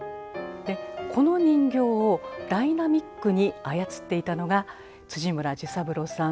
この人形をダイナミックに操っていたのが村寿三郎さんご本人です。